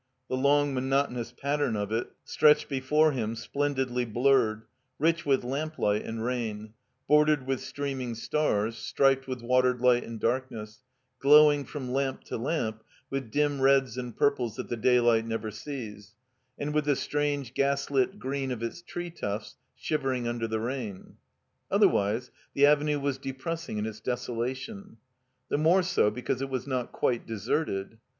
The long monotonous pattern of it stretched before him, splendidly blurred, rich with lamplight and rain, bordered with streaming stars, striped with watered light and darkness, glow ing, from lamp to lamp, with dim reds and purples that the daylight never sees, and with the strange gas lit green of its tree tufts shivering tmder the rain. Otherwise the Avenue was depressing in its deso lation. The more so because it was not quite de serted.